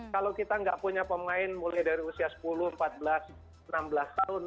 kalau kita nggak punya pemain mulai dari usia sepuluh empat belas enam belas tahun